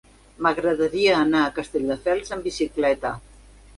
M'agradaria anar a Castelldefels amb bicicleta.